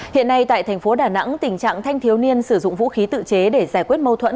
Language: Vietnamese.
hiện nay tại thành phố đà nẵng tình trạng thanh thiếu niên sử dụng vũ khí tự chế để giải quyết mâu thuẫn